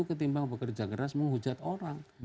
ketimbang bekerja keras menghujat orang